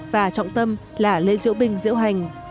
và trọng tâm là lễ diễu binh diễu hành